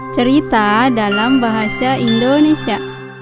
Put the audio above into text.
cerita dalam bahasa indonesia